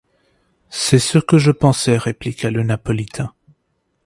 C’est ce que je pensais, répliqua le Napolitain.